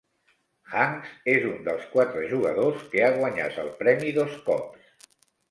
Hanks és un dels quatre jugadors que ha guanyat el premi dos cops.